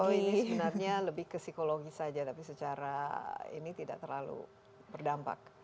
oh ini sebenarnya lebih ke psikologis saja tapi secara ini tidak terlalu berdampak